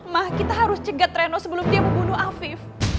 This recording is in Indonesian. mah kita harus cegat reno sebelum dia membunuh afif